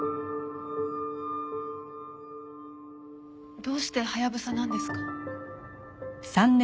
どうしてハヤブサなんですか？